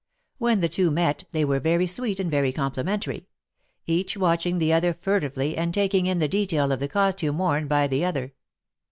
When the two met, they were very sweet and very complimentary j each watching the other fur tively, and taking in the detail of the costume worn by the other.